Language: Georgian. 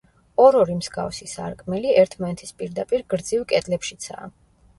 ორ-ორი მსგავსი სარკმელი, ერთმანეთის პირდაპირ გრძივ კედლებშიცაა.